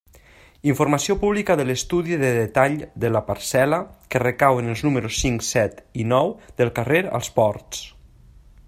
Informació pública de l'estudi de detall de la parcel·la que recau en els números cinc, set i nou del carrer Els Ports.